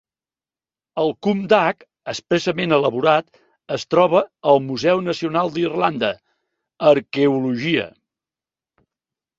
El cumdach expressament elaborat es troba al Museu Nacional d'Irlanda: Arqueologia.